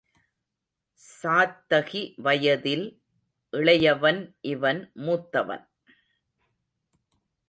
சாத்தகி வயதில் இளையவன் இவன் மூத்தவன்.